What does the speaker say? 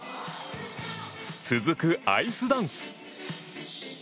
続くアイスダンス。